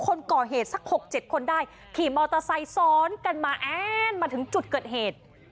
คนก่อเหตุสัก๖๗คนได้ขี่มอเตอร์ไซค์ซ้อนกันมาแอ้นมาถึงจุดเกิดเหตุ